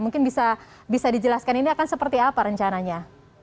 mungkin bisa dijelaskan ini akan seperti apa rencananya